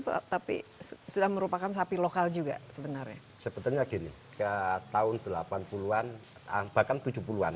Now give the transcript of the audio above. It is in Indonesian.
tapi sudah merupakan sapi lokal juga sebenarnya sebetulnya gini ke tahun delapan puluh an bahkan tujuh puluh an